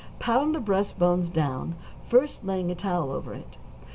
Pound the breast bone down, first laying a towel over it.